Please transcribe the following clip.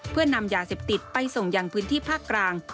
เพื่อนำยาเสพติดไปส่งอย่างพื้นที่ภาคกลาง